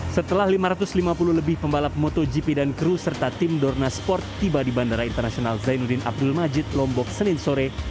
setelah lima ratus lima puluh lebih pembalap motogp dan kru serta tim dorna sport tiba di bandara internasional zainuddin abdul majid lombok senin sore